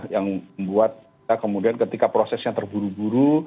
yang membuat kita kemudian ketika prosesnya terburu buru